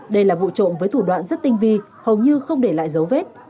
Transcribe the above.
đây là vụ trộm với thủ đoạn rất tinh vi hầu như không để lại dấu vết